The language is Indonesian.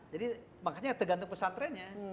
jadi makanya tergantung pesantrennya